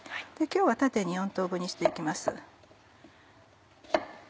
今日は縦に４等分にして行きます。